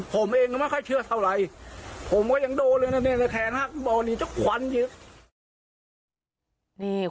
ผมเองก็ไม่ค่อยเชื่อสาวไรผมก็ยังโดนเลยแต่แขนฮักบอร์นี่เจ้าขวรเดียว